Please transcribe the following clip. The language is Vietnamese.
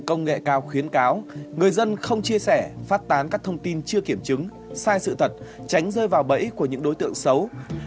công nghệ cao khuyến cáo người dân không chia sẻ phát tán các thông tin chưa kiểm chứng sai sự thật tránh rơi vào bẫy của những đối tượng xấu